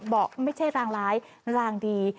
บอกไม่ใช่รางร้ายรางดี